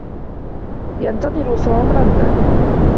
ينتظر توم ردًّا.